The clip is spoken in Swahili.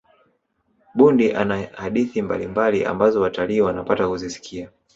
bundi ana hadithi mbalimbali ambazo watalii wanapata kuzisikia